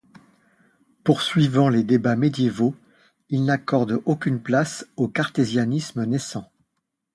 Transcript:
Poursuivant les débats médiévaux, ils n'accordent aucune place au cartésianisme naissant.